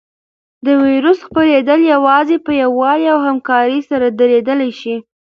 د وېروس خپرېدل یوازې په یووالي او همکارۍ سره درېدلی شي.